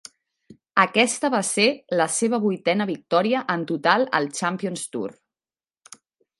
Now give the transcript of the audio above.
Aquesta va ser la seva vuitena victòria en total al Champions Tour.